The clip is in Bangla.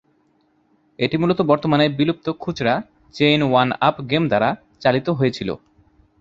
এটি মূলত বর্তমানে বিলুপ্ত খুচরা চেইন ওয়ান আপ গেমস দ্বারা চালিত হয়েছিল।